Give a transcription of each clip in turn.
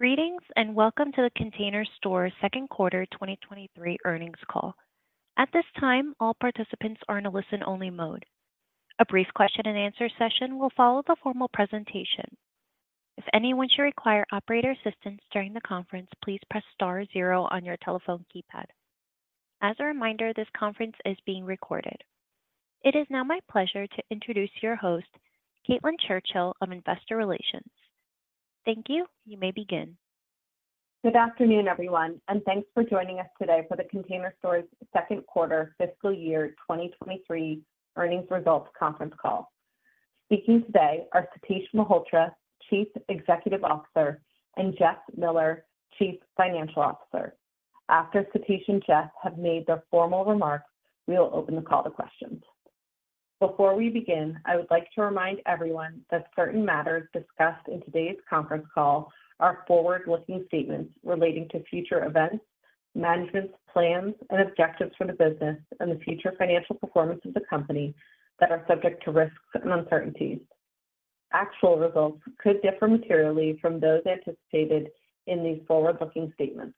Greetings, and welcome to The Container Store second quarter 2023 earnings call. At this time, all participants are in a listen-only mode. A brief question-and-answer session will follow the formal presentation. If anyone should require operator assistance during the conference, please press star zero on your telephone keypad. As a reminder, this conference is being recorded. It is now my pleasure to introduce your host, Caitlin Churchill of Investor Relations. Thank you. You may begin. Good afternoon, everyone, and thanks for joining us today for The Container Store's second quarter fiscal year 2023 earnings results conference call. Speaking today are Satish Malhotra, Chief Executive Officer, and Jeff Miller, Chief Financial Officer. After Satish and Jeff have made their formal remarks, we will open the call to questions. Before we begin, I would like to remind everyone that certain matters discussed in today's conference call are forward-looking statements relating to future events, management's plans and objectives for the business, and the future financial performance of the company that are subject to risks and uncertainties. Actual results could differ materially from those anticipated in these forward-looking statements.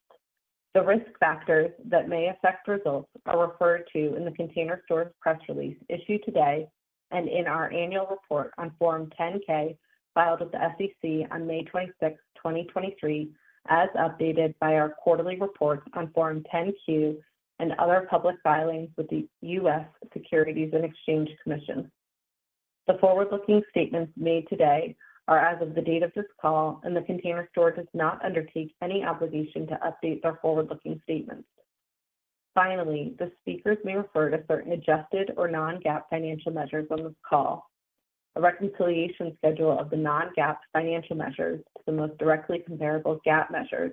The risk factors that may affect results are referred to in The Container Store's press release issued today and in our annual report on Form 10-K, filed with the SEC on May 26th, 2023, as updated by our quarterly reports on Form 10-Q and other public filings with the U.S. Securities and Exchange Commission. The forward-looking statements made today are as of the date of this call, and The Container Store does not undertake any obligation to update their forward-looking statements. Finally, the speakers may refer to certain adjusted or non-GAAP financial measures on this call. A reconciliation schedule of the non-GAAP financial measures to the most directly comparable GAAP measures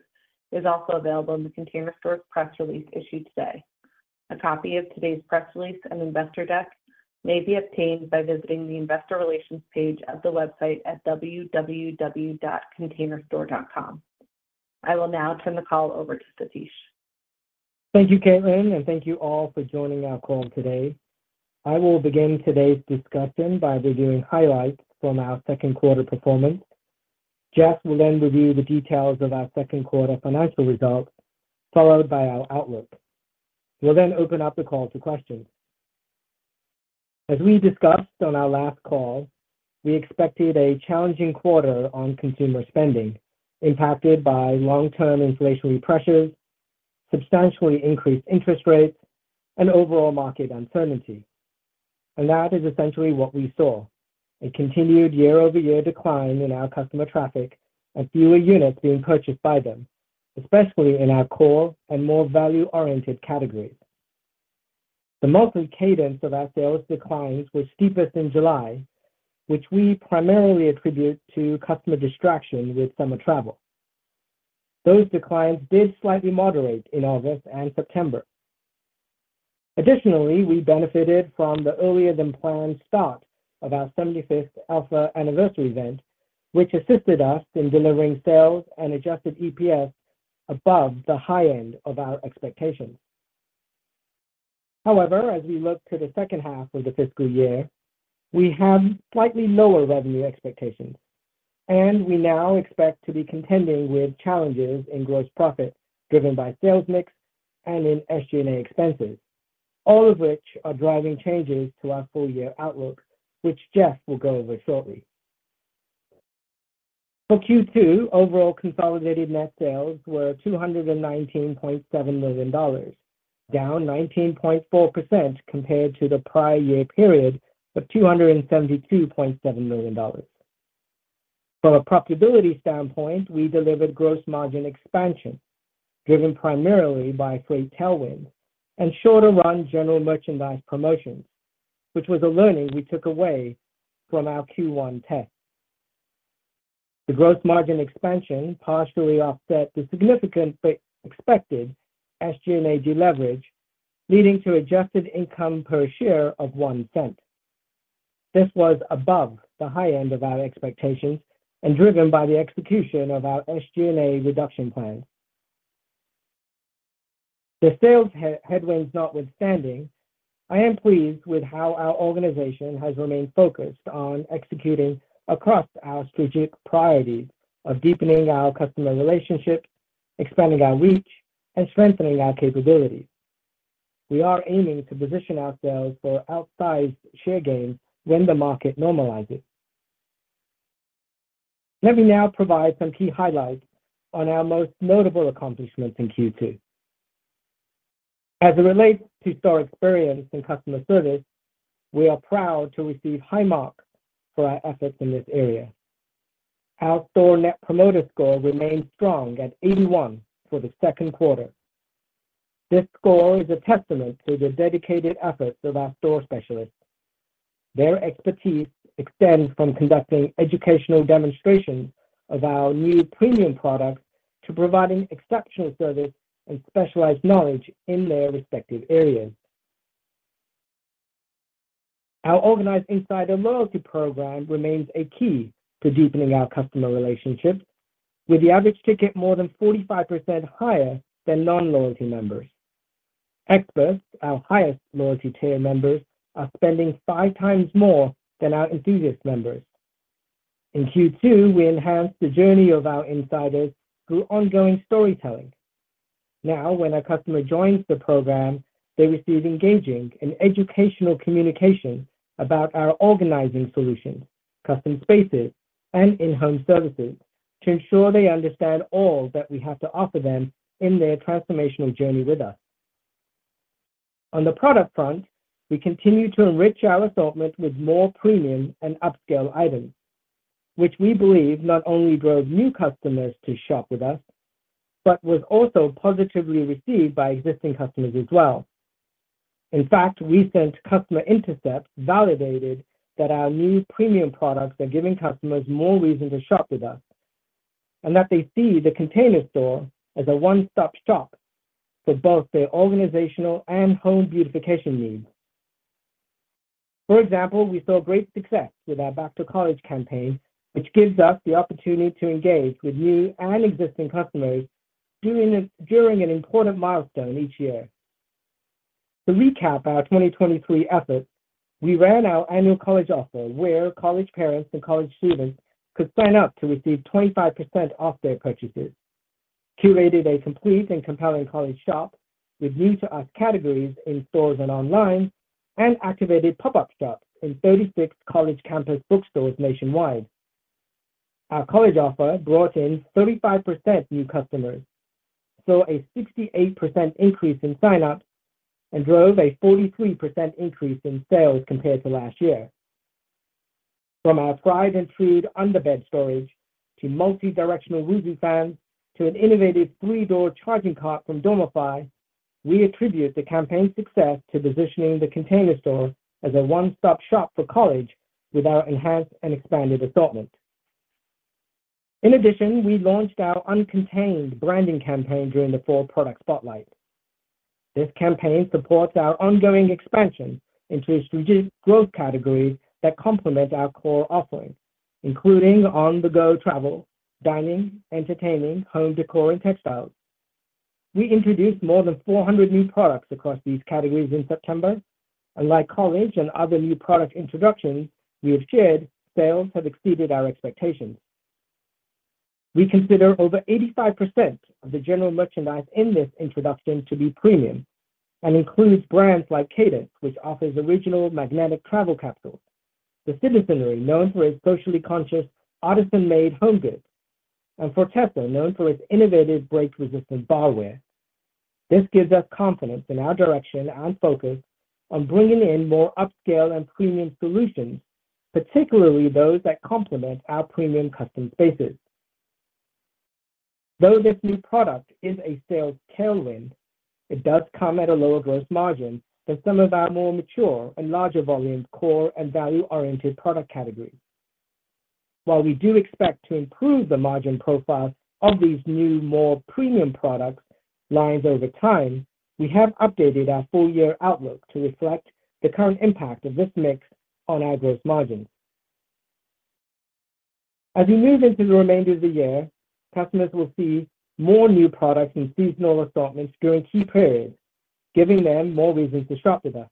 is also available in The Container Store's press release issued today. A copy of today's press release and investor deck may be obtained by visiting the Investor Relations page of the website at www.containerstore.com. I will now turn the call over to Satish. Thank you, Caitlin, and thank you all for joining our call today. I will begin today's discussion by reviewing highlights from our second quarter performance. Jeff will then review the details of our second quarter financial results, followed by our outlook. We'll then open up the call to questions. As we discussed on our last call, we expected a challenging quarter on consumer spending, impacted by long-term inflationary pressures, substantially increased interest rates, and overall market uncertainty. And that is essentially what we saw. A continued year-over-year decline in our customer traffic and fewer units being purchased by them, especially in our core and more value-oriented categories. The monthly cadence of our sales declines was steepest in July, which we primarily attribute to customer distraction with summer travel. Those declines did slightly moderate in August and September. Additionally, we benefited from the earlier-than-planned start of our 75th Elfa Anniversary event, which assisted us in delivering sales and adjusted EPS above the high end of our expectations. However, as we look to the second half of the fiscal year, we have slightly lower revenue expectations, and we now expect to be contending with challenges in gross profit, driven by sales mix and in SG&A expenses, all of which are driving changes to our full-year outlook, which Jeff will go over shortly. For Q2, overall consolidated net sales were $219.7 million, down 19.4% compared to the prior year period of $272.7 million. From a profitability standpoint, we delivered gross margin expansion, driven primarily by freight tailwind and shorter run general merchandise promotions, which was a learning we took away from our Q1 test. The gross margin expansion partially offset the significant but expected SG&A deleverage, leading to adjusted income per share of $0.01. This was above the high end of our expectations and driven by the execution of our SG&A reduction plan. The sales headwinds notwithstanding, I am pleased with how our organization has remained focused on executing across our strategic priorities of deepening our customer relationships, expanding our reach, and strengthening our capabilities. We are aiming to position ourselves for outsized share gains when the market normalizes. Let me now provide some key highlights on our most notable accomplishments in Q2. As it relates to store experience and customer service, we are proud to receive high marks for our efforts in this area. Our store Net Promoter Score remains strong at 81 for the second quarter. This score is a testament to the dedicated efforts of our store specialists. Their expertise extends from conducting educational demonstrations of our new premium products to providing exceptional service and specialized knowledge in their respective areas. Our Organized Insider loyalty program remains a key to deepening our customer relationships, with the average ticket more than 45% higher than non-loyalty members. Experts, our highest loyalty tier members, are spending five times more than our Enthusiast members. In Q2, we enhanced the journey of our insiders through ongoing storytelling. Now, when a customer joins the program, they receive engaging and educational communication about our organizing solutions, Custom Spaces, and in-home services to ensure they understand all that we have to offer them in their transformational journey with us. On the product front, we continue to enrich our assortment with more premium and upscale items, which we believe not only drove new customers to shop with us, but was also positively received by existing customers as well. In fact, recent customer intercepts validated that our new premium products are giving customers more reason to shop with us, and that they see The Container Store as a one-stop shop for both their organizational and home beautification needs. For example, we saw great success with our Back to College campaign, which gives us the opportunity to engage with new and existing customers during an important milestone each year. To recap our 2023 efforts, we ran our annual college offer, where college parents and college students could sign up to receive 25% off their purchases, curated a complete and compelling college shop with new to us categories in stores and online, and activated pop-up shops in 36 college campus bookstores nationwide. Our college offer brought in 35% new customers, saw a 68% increase in sign-ups, and drove a 43% increase in sales compared to last year. From our Stripe & Tweed underbed storage, to multi-directional Woozoo fans, to an innovative 3-tier charging cart from Dormify, we attribute the campaign's success to positioning The Container Store as a one-stop shop for college with our enhanced and expanded assortment. In addition, we launched our Uncontained branding campaign during the fall product spotlight. This campaign supports our ongoing expansion into strategic growth categories that complement our core offerings, including on-the-go travel, dining, entertaining, home decor, and textiles. We introduced more than 400 new products across these categories in September, and like college and other new product introductions we have shared, sales have exceeded our expectations. We consider over 85% of the general merchandise in this introduction to be premium, and includes brands like Cadence, which offers original magnetic travel containers, The Citizenry, known for its socially conscious, artisan-made home goods, and Fortessa, known for its innovative, break-resistant barware. This gives us confidence in our direction and focus on bringing in more upscale and premium solutions, particularly those that complement our premium Custom Spaces. Though this new product is a sales tailwind, it does come at a lower gross margin than some of our more mature and larger volume, core, and value-oriented product categories. While we do expect to improve the margin profile of these new, more premium products lines over time, we have updated our full year outlook to reflect the current impact of this mix on our gross margin. As we move into the remainder of the year, customers will see more new products and seasonal assortments during key periods, giving them more reasons to shop with us.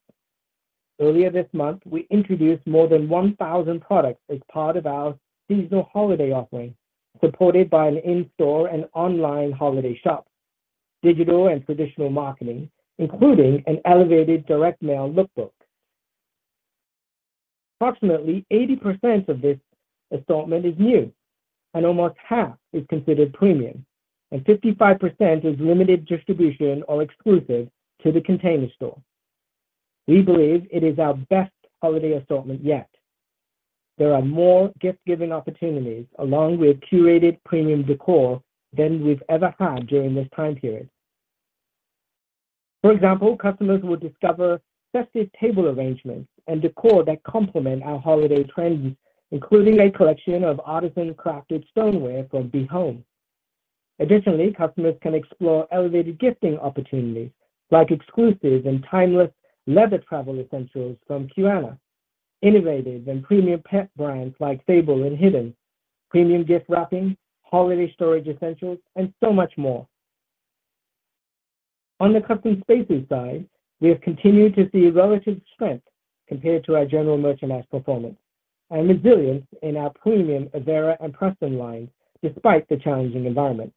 Earlier this month, we introduced more than 1,000 products as part of our seasonal holiday offering, supported by an in-store and online holiday shop, digital and traditional marketing, including an elevated direct mail look book. Approximately 80% of this assortment is new, and almost half is considered premium, and 55% is limited distribution or exclusive to The Container Store. We believe it is our best holiday assortment yet. There are more gift-giving opportunities, along with curated premium decor than we've ever had during this time period. For example, customers will discover festive table arrangements and decor that complement our holiday trends, including a collection of artisan-crafted stoneware from Be Home. Additionally, customers can explore elevated gifting opportunities like exclusive and timeless leather travel essentials from Kinnon, innovative and premium pet brands like Fable and Pidan, premium gift wrapping, holiday storage essentials, and so much more. On the Custom Spaces side, we have continued to see relative strength compared to our general merchandise performance and resilience in our premium Avera and Preston lines, despite the challenging environment.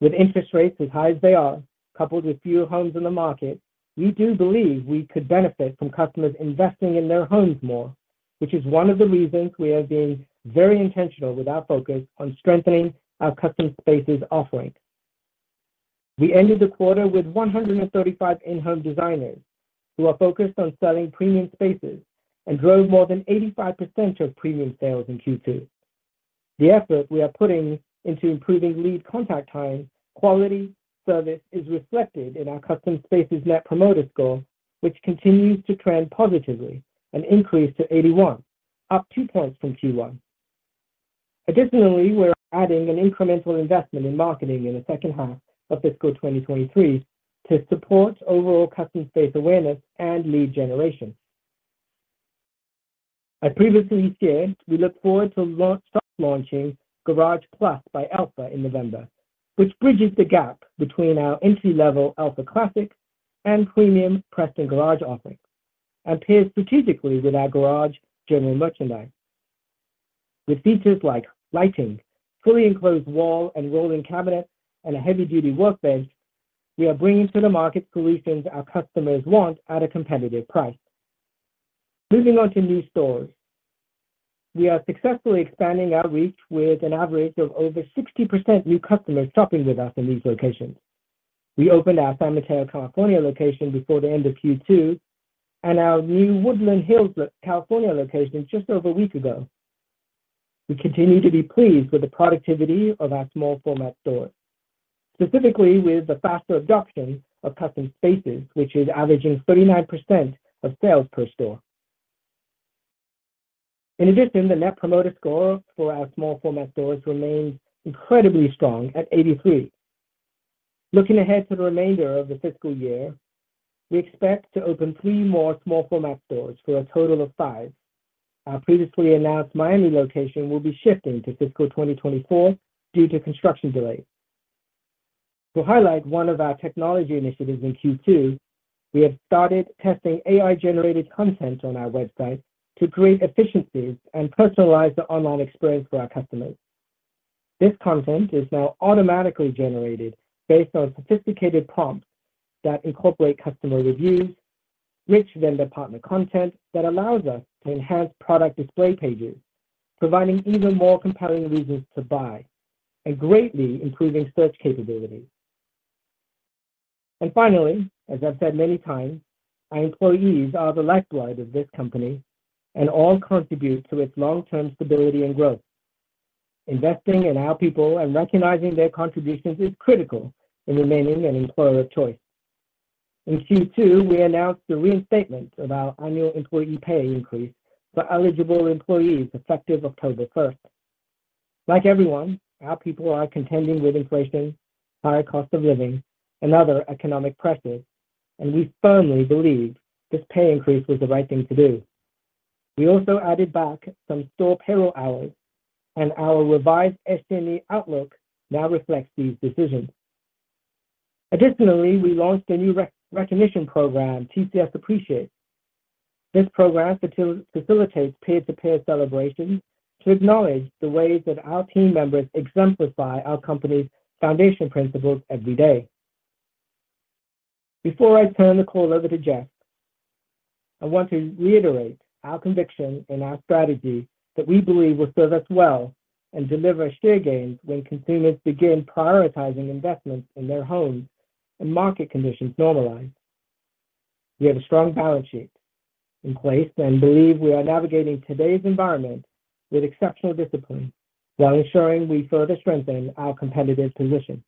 With interest rates as high as they are, coupled with fewer homes in the market, we do believe we could benefit from customers investing in their homes more, which is one of the reasons we are being very intentional with our focus on strengthening our Custom Spaces offering. We ended the quarter with 135 in-home designers who are focused on selling premium spaces and drove more than 85% of premium sales in Q2. The effort we are putting into improving lead contact time, quality service is reflected in our Custom Spaces Net Promoter Score, which continues to trend positively and increased to 81, up 2 points from Q1. Additionally, we're adding an incremental investment in marketing in the second half of fiscal 2023 to support overall custom space awareness and lead generation.... I previously shared, we look forward to start launching Garage Plus by Elfa in November, which bridges the gap between our entry-level Elfa Classic and premium Preston Garage offerings, and pairs strategically with our garage general merchandise. With features like lighting, fully enclosed wall and rolling cabinets, and a heavy-duty workbench, we are bringing to the market solutions our customers want at a competitive price. Moving on to new stores. We are successfully expanding our reach with an average of over 60% new customers shopping with us in these locations. We opened our San Mateo, California, location before the end of Q2, and our new Woodland Hills, California, location just over a week ago. We continue to be pleased with the productivity of our small format stores, specifically with the faster adoption of Custom Spaces, which is averaging 39% of sales per store. In addition, the Net Promoter Score for our small format stores remains incredibly strong at 83. Looking ahead to the remainder of the fiscal year, we expect to open three more small format stores for a total of five. Our previously announced Miami location will be shifting to fiscal 2024 due to construction delays. To highlight one of our technology initiatives in Q2, we have started testing AI-generated content on our website to create efficiencies and personalize the online experience for our customers. This content is now automatically generated based on sophisticated prompts that incorporate customer reviews, rich vendor partner content that allows us to enhance product display pages, providing even more compelling reasons to buy and greatly improving search capabilities. And finally, as I've said many times, our employees are the lifeblood of this company and all contribute to its long-term stability and growth. Investing in our people and recognizing their contributions is critical in remaining an employer of choice. In Q2, we announced the reinstatement of our annual employee pay increase for eligible employees, effective October first. Like everyone, our people are contending with inflation, higher cost of living, and other economic pressures, and we firmly believe this pay increase was the right thing to do. We also added back some store payroll hours, and our revised SG&A outlook now reflects these decisions. Additionally, we launched a new recognition program, TCS Appreciate. This program facilitates peer-to-peer celebrations to acknowledge the ways that our team members exemplify our company's foundation principles every day. Before I turn the call over to Jeff, I want to reiterate our conviction in our strategy that we believe will serve us well and deliver share gains when consumers begin prioritizing investments in their homes and market conditions normalize. We have a strong balance sheet in place and believe we are navigating today's environment with exceptional discipline while ensuring we further strengthen our competitive position.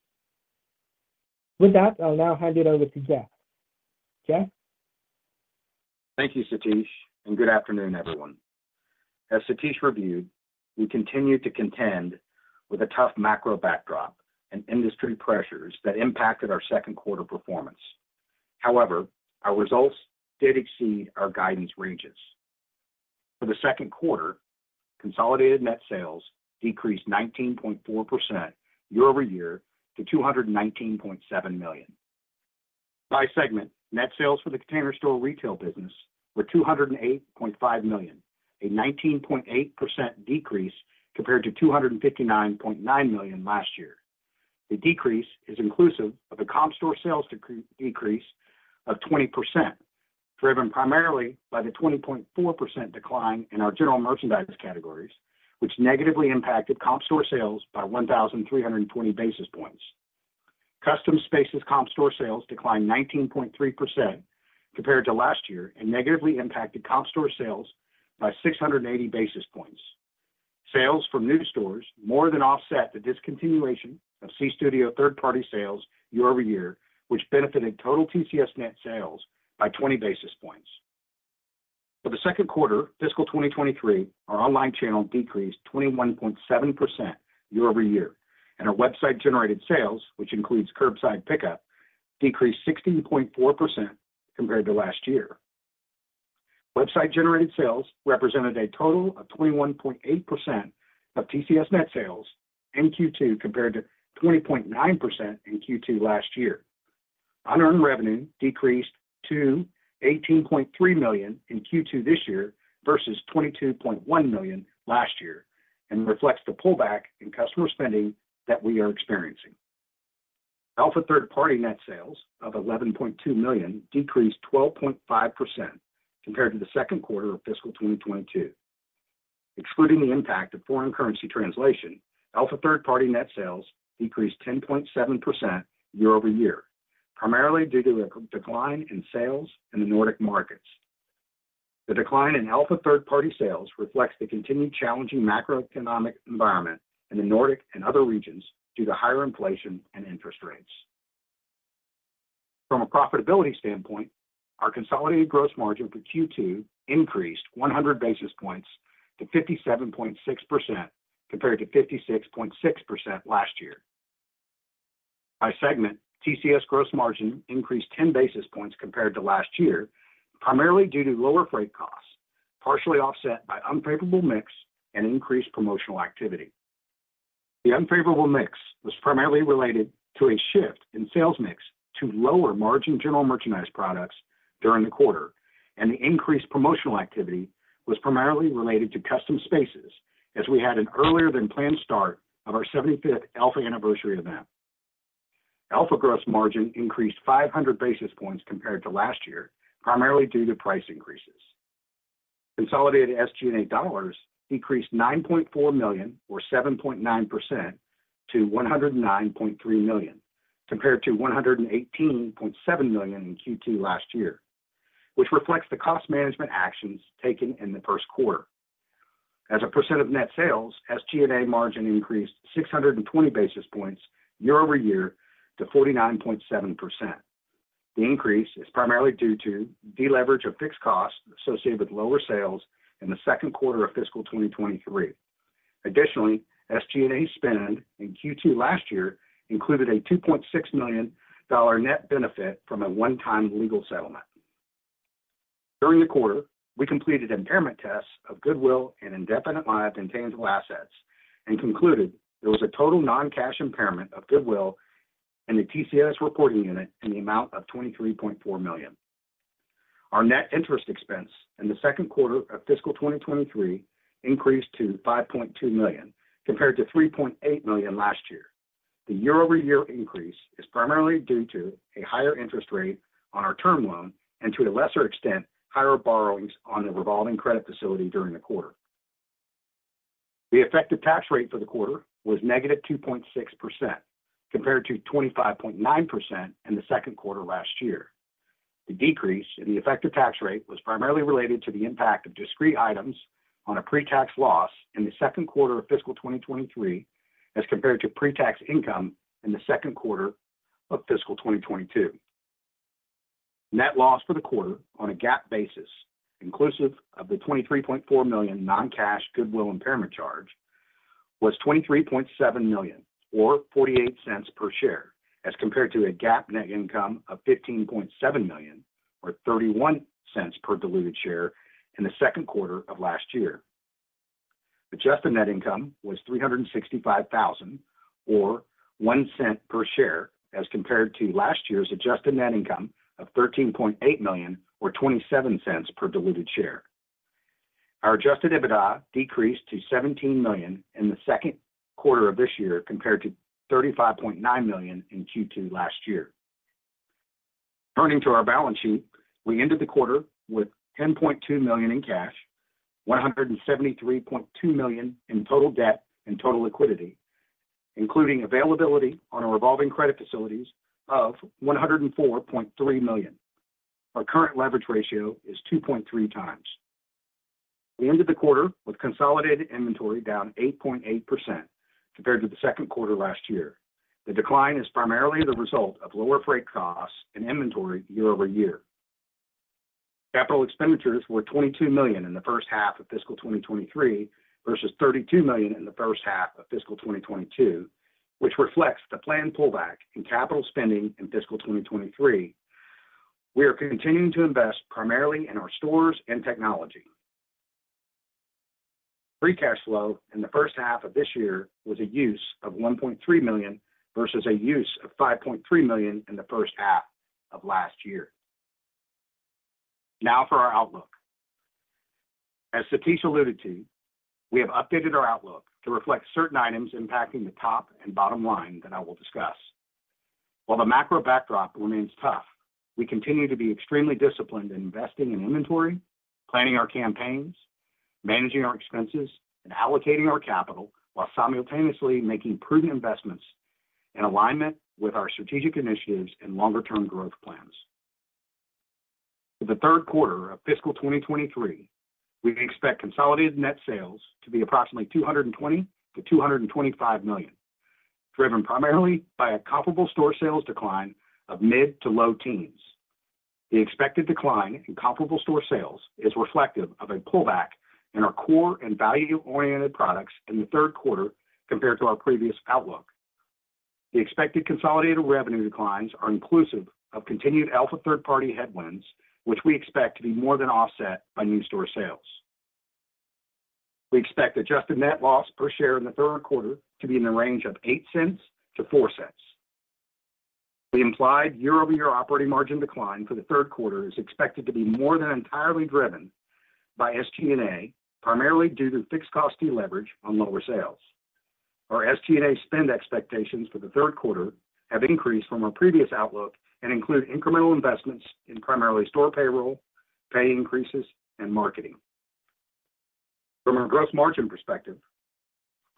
With that, I'll now hand it over to Jeff. Jeff? Thank you, Satish, and good afternoon, everyone. As Satish reviewed, we continued to contend with a tough macro backdrop and industry pressures that impacted our second quarter performance. However, our results did exceed our guidance ranges. For the second quarter, consolidated net sales decreased 19.4% year-over-year to $219.7 million. By segment, net sales for the Container Store retail business were $208.5 million, a 19.8% decrease compared to $259.9 million last year. The decrease is inclusive of a comp store sales decrease of 20%, driven primarily by the 20.4% decline in our general merchandise categories, which negatively impacted comp store sales by 1,320 basis points. Custom Spaces comp store sales declined 19.3% compared to last year and negatively impacted comp store sales by 680 basis points. Sales from new stores more than offset the discontinuation of Closet Works third-party sales year-over-year, which benefited total TCS net sales by 20 basis points. For the second quarter, fiscal 2023, our online channel decreased 21.7% year-over-year, and our website-generated sales, which includes curbside pickup, decreased 16.4% compared to last year. Website-generated sales represented a total of 21.8% of TCS net sales in Q2, compared to 20.9% in Q2 last year. Unearned revenue decreased to $18.3 million in Q2 this year versus $22.1 million last year and reflects the pullback in customer spending that we are experiencing. Elfa third-party net sales of $11.2 million decreased 12.5% compared to the second quarter of fiscal 2022. Excluding the impact of foreign currency translation, Elfa third-party net sales decreased 10.7% year-over-year, primarily due to a decline in sales in the Nordic markets. The decline in Elfa third-party sales reflects the continued challenging macroeconomic environment in the Nordic and other regions due to higher inflation and interest rates. From a profitability standpoint, our consolidated gross margin for Q2 increased 100 basis points to 57.6%, compared to 56.6% last year.... By segment, TCS gross margin increased 10 basis points compared to last year, primarily due to lower freight costs, partially offset by unfavorable mix and increased promotional activity. The unfavorable mix was primarily related to a shift in sales mix to lower margin general merchandise products during the quarter, and the increased promotional activity was primarily related to Custom Spaces, as we had an earlier than planned start of our 75th Elfa Anniversary event. Elfa gross margin increased 500 basis points compared to last year, primarily due to price increases. Consolidated SG&A dollars decreased $9.4 million, or 7.9% to $109.3 million, compared to $118.7 million in Q2 last year, which reflects the cost management actions taken in the first quarter. As a percent of net sales, SG&A margin increased 620 basis points year-over-year to 49.7%. The increase is primarily due to deleverage of fixed costs associated with lower sales in the second quarter of fiscal 2023. Additionally, SG&A spend in Q2 last year included a $2.6 million net benefit from a one-time legal settlement. During the quarter, we completed impairment tests of goodwill and indefinite lived intangible assets and concluded there was a total non-cash impairment of goodwill in the TCS reporting unit in the amount of $23.4 million. Our net interest expense in the second quarter of fiscal 2023 increased to $5.2 million, compared to $3.8 million last year. The year-over-year increase is primarily due to a higher interest rate on our term loan and, to a lesser extent, higher borrowings on the revolving credit facility during the quarter. The effective tax rate for the quarter was -2.6%, compared to 25.9% in the second quarter last year. The decrease in the effective tax rate was primarily related to the impact of discrete items on a pre-tax loss in the second quarter of fiscal 2023, as compared to pre-tax income in the second quarter of fiscal 2022. Net loss for the quarter on a GAAP basis, inclusive of the $23.4 million non-cash goodwill impairment charge, was $23.7 million or $0.48 per share, as compared to a GAAP net income of $15.7 million, or $0.31 per diluted share in the second quarter of last year. Adjusted net income was $365 thousand, or $0.01 per share, as compared to last year's adjusted net income of $13.8 million, or $0.27 per diluted share. Our Adjusted EBITDA decreased to $17 million in the second quarter of this year, compared to $35.9 million in Q2 last year. Turning to our balance sheet, we ended the quarter with $10.2 million in cash, $173.2 million in total debt and total liquidity, including availability on our revolving credit facilities of $104.3 million. Our current leverage ratio is 2.3 times. We ended the quarter with consolidated inventory down 8.8% compared to the second quarter last year. The decline is primarily the result of lower freight costs and inventory year-over-year. Capital expenditures were $22 million in the first half of fiscal 2023, versus $32 million in the first half of fiscal 2022, which reflects the planned pullback in capital spending in fiscal 2023. We are continuing to invest primarily in our stores and technology. Free cash flow in the first half of this year was a use of $1.3 million versus a use of $5.3 million in the first half of last year. Now for our outlook. As Satish alluded to, we have updated our outlook to reflect certain items impacting the top and bottom line that I will discuss. While the macro backdrop remains tough, we continue to be extremely disciplined in investing in inventory, planning our campaigns, managing our expenses, and allocating our capital while simultaneously making prudent investments in alignment with our strategic initiatives and longer-term growth plans. For the third quarter of fiscal 2023, we expect consolidated net sales to be approximately $220 million-$225 million, driven primarily by a comparable store sales decline of mid- to low-teens. The expected decline in comparable store sales is reflective of a pullback in our core and value-oriented products in the third quarter compared to our previous outlook. The expected consolidated revenue declines are inclusive of continued Elfa third-party headwinds, which we expect to be more than offset by new store sales. We expect adjusted net loss per share in the third quarter to be in the range of $0.08-$0.04. The implied year-over-year operating margin decline for the third quarter is expected to be more than entirely driven by SG&A, primarily due to fixed cost deleverage on lower sales. Our SG&A spend expectations for the third quarter have increased from our previous outlook and include incremental investments in primarily store payroll, pay increases, and marketing. From a gross margin perspective,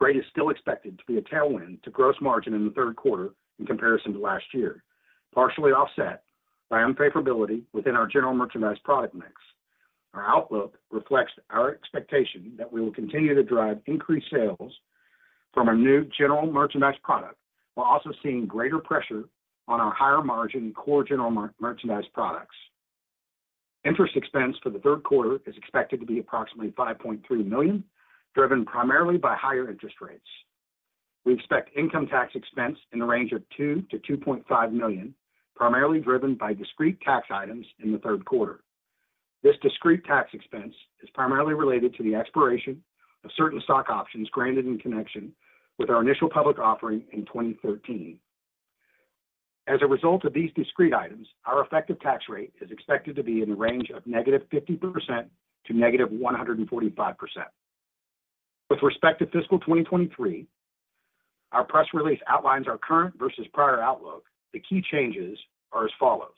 rate is still expected to be a tailwind to gross margin in the third quarter in comparison to last year, partially offset by unfavorability within our general merchandise product mix. Our outlook reflects our expectation that we will continue to drive increased sales from our new general merchandise product, while also seeing greater pressure on our higher-margin core general merchandise products. Interest expense for the third quarter is expected to be approximately $5.3 million, driven primarily by higher interest rates. We expect income tax expense in the range of $2-$2.5 million, primarily driven by discrete tax items in the third quarter. This discrete tax expense is primarily related to the expiration of certain stock options granted in connection with our initial public offering in 2013. As a result of these discrete items, our effective tax rate is expected to be in the range of -50% to -145%. With respect to fiscal 2023, our press release outlines our current versus prior outlook. The key changes are as follows: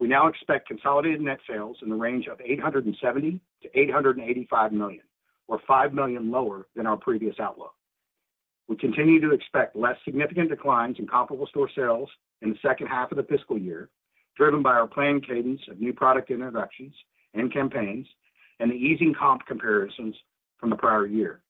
We now expect consolidated net sales in the range of $870 million-$885 million, or $5 million lower than our previous outlook. We continue to expect less significant declines in comparable store sales in the second half of the fiscal year, driven by our planned cadence of new product introductions and campaigns and the easing comp comparisons from the prior year.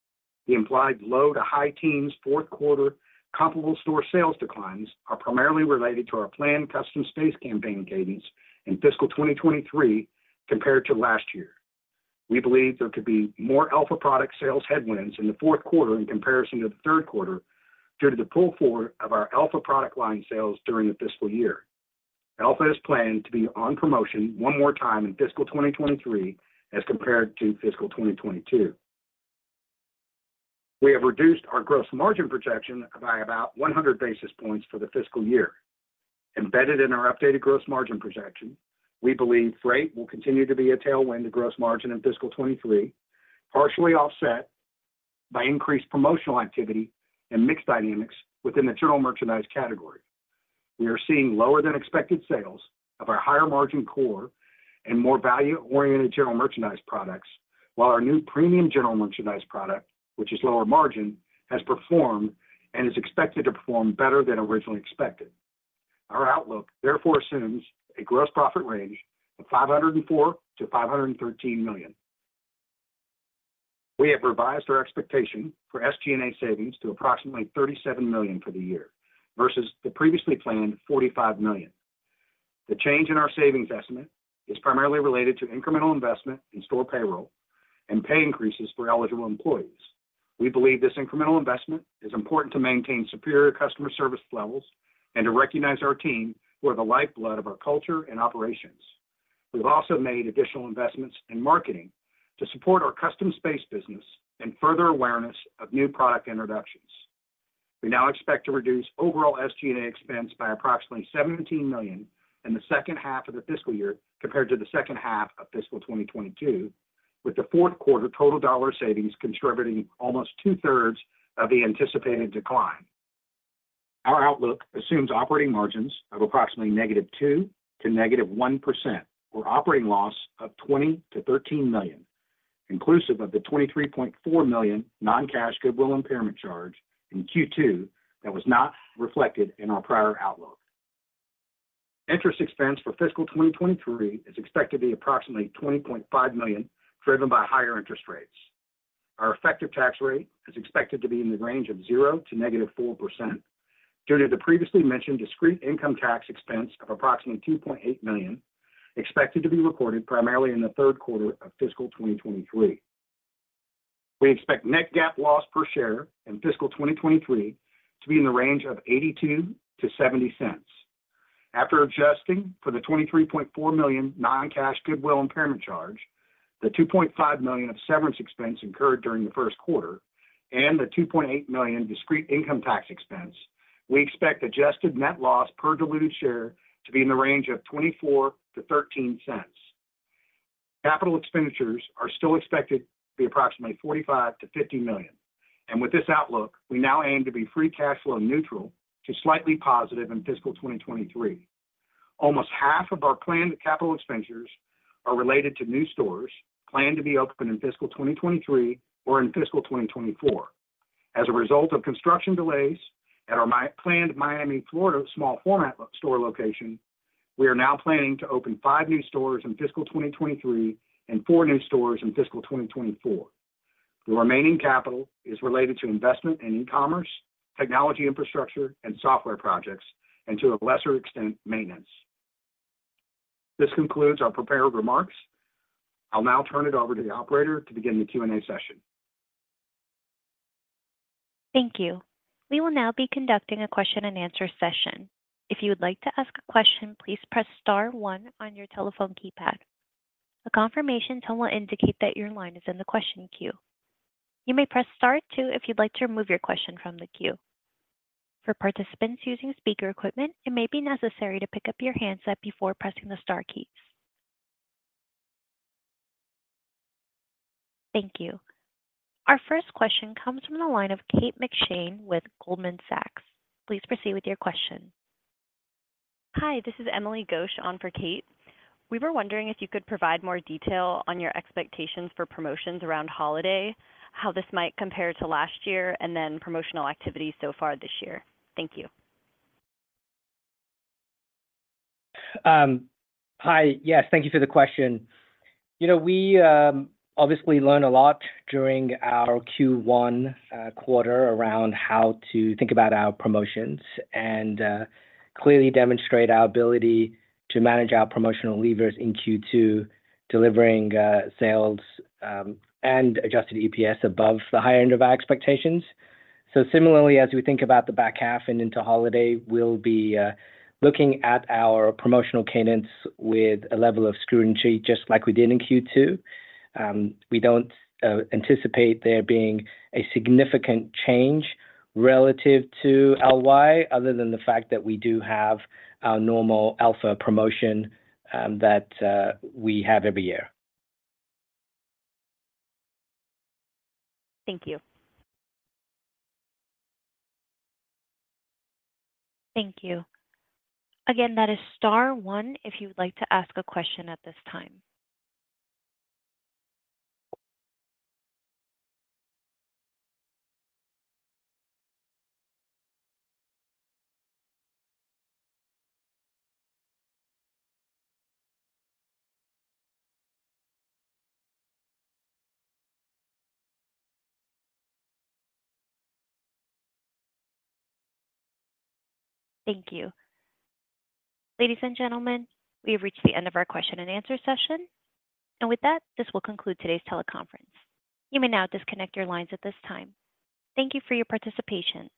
The implied low- to high-teens fourth quarter comparable store sales declines are primarily related to our planned Custom Spaces campaign cadence in fiscal 2023 compared to last year. We believe there could be more Elfa product sales headwinds in the fourth quarter in comparison to the third quarter, due to the pull forward of our Elfa product line sales during the fiscal year. Elfa is planned to be on promotion one more time in fiscal 2023 as compared to fiscal 2022. We have reduced our gross margin projection by about 100 basis points for the fiscal year. Embedded in our updated gross margin projection, we believe freight will continue to be a tailwind to gross margin in fiscal 2023, partially offset by increased promotional activity and mix dynamics within the general merchandise category. We are seeing lower than expected sales of our higher margin core and more value-oriented general merchandise products, while our new premium general merchandise product, which is lower margin, has performed and is expected to perform better than originally expected. Our outlook therefore assumes a gross profit range of $504 million-$513 million. We have revised our expectation for SG&A savings to approximately $37 million for the year, versus the previously planned $45 million. The change in our savings estimate is primarily related to incremental investment in store payroll and pay increases for eligible employees. We believe this incremental investment is important to maintain superior customer service levels and to recognize our team, who are the lifeblood of our culture and operations. We've also made additional investments in marketing to support our custom space business and further awareness of new product introductions. We now expect to reduce overall SG&A expense by approximately $17 million in the second half of the fiscal year compared to the second half of fiscal 2022, with the fourth quarter total dollar savings contributing almost two-thirds of the anticipated decline. Our outlook assumes operating margins of approximately -2% to -1%, or operating loss of $20 million-$13 million, inclusive of the $23.4 million non-cash goodwill impairment charge in Q2 that was not reflected in our prior outlook. Interest expense for fiscal 2023 is expected to be approximately $20.5 million, driven by higher interest rates. Our effective tax rate is expected to be in the range of 0% to -4% due to the previously mentioned discrete income tax expense of approximately $2.8 million, expected to be recorded primarily in the third quarter of fiscal 2023. We expect net GAAP loss per share in fiscal 2023 to be in the range of -$0.82 to -$0.70. After adjusting for the $23.4 million non-cash goodwill impairment charge, the $2.5 million of severance expense incurred during the first quarter, and the $2.8 million discrete income tax expense, we expect adjusted net loss per diluted share to be in the range of -$0.24 to -$0.13. Capital expenditures are still expected to be approximately $45 million-$50 million, and with this outlook, we now aim to be free cash flow neutral to slightly positive in fiscal 2023. Almost half of our planned capital expenditures are related to new stores planned to be opened in fiscal 2023 or in fiscal 2024. As a result of construction delays at our planned Miami, Florida, small format store location, we are now planning to open 5 new stores in fiscal 2023 and 4 new stores in fiscal 2024. The remaining capital is related to investment in e-commerce, technology infrastructure, and software projects, and to a lesser extent, maintenance. This concludes our prepared remarks. I'll now turn it over to the operator to begin the Q&A session. Thank you. We will now be conducting a question and answer session. If you would like to ask a question, please press star one on your telephone keypad. A confirmation tone will indicate that your line is in the question queue. You may press star two if you'd like to remove your question from the queue. For participants using speaker equipment, it may be necessary to pick up your handset before pressing the star keys. Thank you. Our first question comes from the line of Kate McShane with Goldman Sachs. Please proceed with your question. Hi, this is Emily Ghosh on for Kate. We were wondering if you could provide more detail on your expectations for promotions around holiday, how this might compare to last year, and then promotional activity so far this year. Thank you. Hi. Yes, thank you for the question. You know, we obviously learned a lot during our Q1 quarter around how to think about our promotions, and clearly demonstrate our ability to manage our promotional levers in Q2, delivering sales and adjusted EPS above the higher end of our expectations. So similarly, as we think about the back half and into holiday, we'll be looking at our promotional cadence with a level of scrutiny, just like we did in Q2. We don't anticipate there being a significant change relative to LY other than the fact that we do have our normal Elfa promotion that we have every year. Thank you. Thank you. Again, that is star one if you would like to ask a question at this time. Thank you. Ladies and gentlemen, we have reached the end of our question and answer session. With that, this will conclude today's teleconference. You may now disconnect your lines at this time. Thank you for your participation.